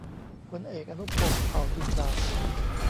พลเอก อนุพงษ์ เผ่าจินดา